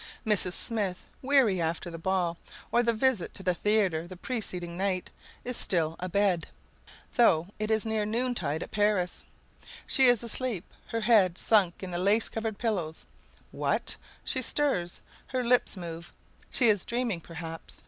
Mrs. Smith, weary after the ball or the visit to the theater the preceding night, is still abed, though it is near noontide at Paris. She is asleep, her head sunk in the lace covered pillows. What? She stirs? Her lips move. She is dreaming perhaps?